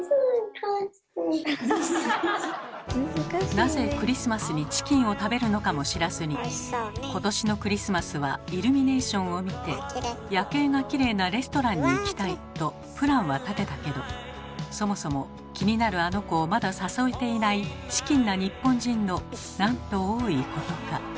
なぜクリスマスにチキンを食べるのかも知らずに「今年のクリスマスはイルミネーションを見て夜景がきれいなレストランに行きたい」とプランは立てたけどそもそも気になるあの子をまだ誘えていないチキンな日本人のなんと多いことか。